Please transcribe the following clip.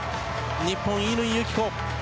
日本、乾友紀子